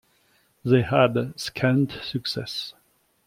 They had scant success.